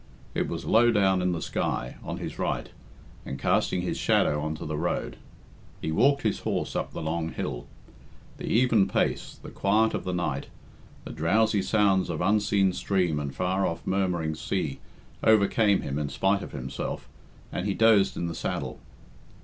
It was low down in the sky, on his right, and casting his shadow on to the road. He walked his horse up the long hill. The even pace, the quiet of the night, the drowsy sounds of unseen stream and far off murmuring sea overcame him in spite of himself, and he dozed in the saddle.